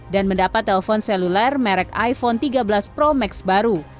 dan mendapat telpon seluler merek iphone tiga belas pro max baru